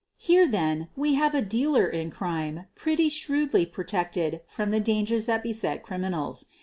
Here, then, we nave a dealer in erime pretty shrewdly protected from the dangers that beset criminals.